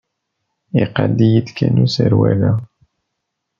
Iqad-iyi-d kan userwal-a.